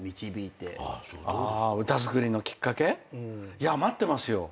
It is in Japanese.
いや待ってますよ。